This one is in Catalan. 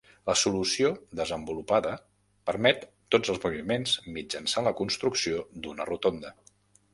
La solució desenvolupada permet tots els moviments mitjançant la construcció d'una rotonda.